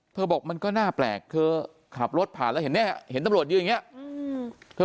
เธอบอกมันก็น่าแปลกเธอขับรถผ่านแล้วเห็นตำรวจอยู่อย่างเงี้ย